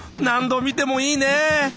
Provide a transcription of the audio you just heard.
何度見てもいいね。